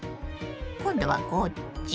今度はこっち？